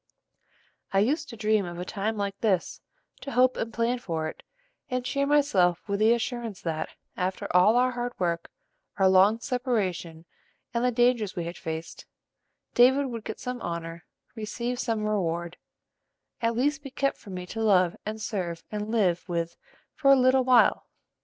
"I used to dream of a time like this, to hope and plan for it, and cheer myself with the assurance that, after all our hard work, our long separation, and the dangers we had faced, David would get some honor, receive some reward, at least be kept for me to love and serve and live with for a little while.